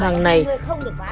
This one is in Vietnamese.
mình lấy một mươi tám k